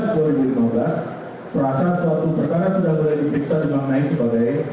proses suatu perkara sudah mulai diperiksa dimaknai sebagai